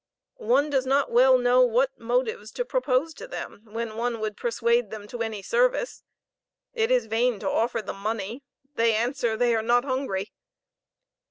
One does not well know what motives to propose to them when one would persuade them to any service. It is vain to offer them money; they answer they are not hungry."